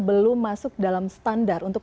belum masuk dalam standar untuk